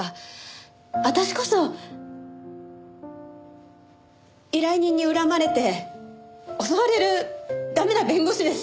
私こそ依頼人に恨まれて襲われる駄目な弁護士です。